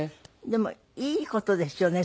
でもいい事ですよね